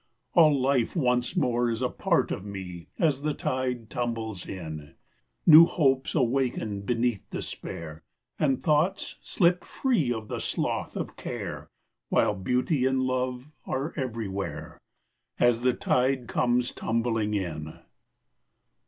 All life once more is a part of me, As the tide tumbles in. New hopes awaken beneath despair And thoughts slip free of the sloth of care, While beauty and love are everywhere As the tide comes tumbling in.